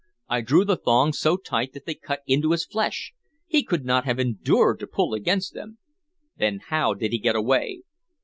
"I drew the thongs so tight that they cut into his flesh. He could not have endured to pull against them." "Then how did he get away?"